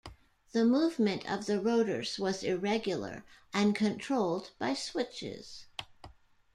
The movement of the rotors was irregular and controlled by switches.